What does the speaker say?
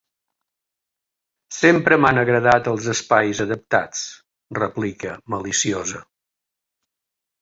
Sempre m'han agradat els espais adaptats —replica maliciosa.